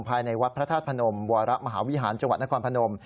ภายในวัดพระธาตุพนมวรมหาวิหารจังหวัดนครพนม